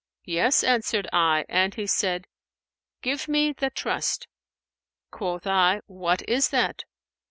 'Yes,' answered I; and he said, 'Give me the trust.' Quoth I, 'What is that?'